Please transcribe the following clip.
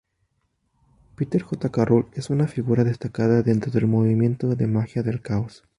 Peter J. Carroll es una figura destacada dentro del movimiento de Magia del caos.